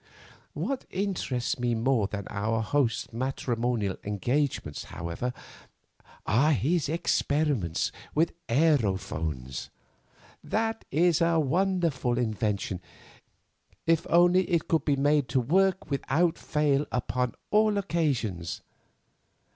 "What interests me more than our host's matrimonial engagements, however, are his experiments with aerophones. That is a wonderful invention if only it can be made to work without fail upon all occasions.